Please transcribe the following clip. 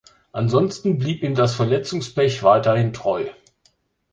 Ansonsten blieb ihm das Verletzungspech weiterhin treu.